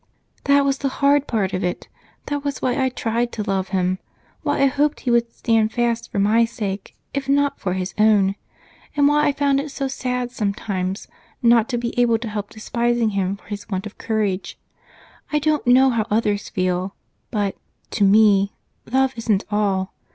"That was the hard part of it! That was why I tried to love him, why I hoped he would stand fast for my sake, if not for his own, and why I found it so sad sometimes not to be able to help despising him for his want of courage. I don't know how others feel, but, to me, love isn't all.